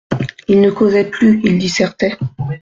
Il ne causait plus, il dissertait.